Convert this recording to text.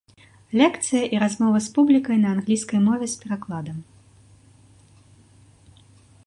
Лекцыя і размова з публікай на англійскай мове з перакладам.